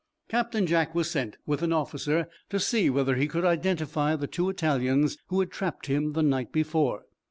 Captain Jack was sent, with an officer, to see whether he could identify the two Italians who had trapped him the night before.